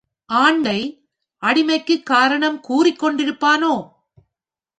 ஆண்டை, அடிமைக்குக் காரணம் கூறிக் கொண்டிருப்பானோ?